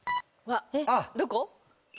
どこ？